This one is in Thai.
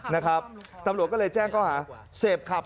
นะครับตำรวจก็เลยแจ้งเขาหาเสพขับ